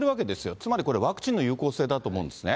つまりこれ、ワクチンの有効性だと思うんですね。